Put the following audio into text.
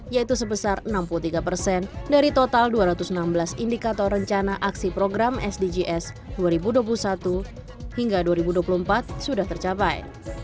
yaitu sebesar enam puluh tiga persen dari total dua ratus enam belas indikator rencana aksi program sdgs dua ribu dua puluh satu hingga dua ribu dua puluh empat sudah tercapai